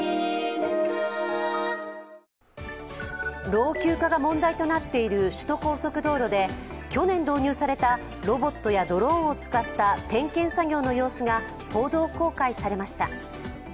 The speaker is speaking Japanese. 老朽化が問題となっている首都高速道路で去年導入されたロボットやドローンを使った点検作業の様子が報道公開されました。